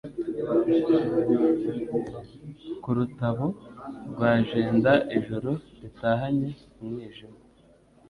Ku Rutabo rwa JendaIjoro ritahanye umwijima